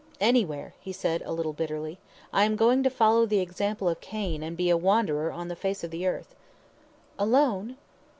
"Anywhere," he said a little bitterly. "I am going to follow the example of Cain, and be a wanderer on the face of the earth!" "Alone!"